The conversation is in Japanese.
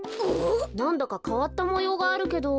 なんだかかわったもようがあるけど。